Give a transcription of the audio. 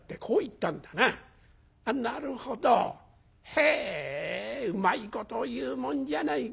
へえうまいことを言うもんじゃないか」。